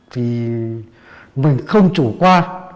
thì mình không chủ qua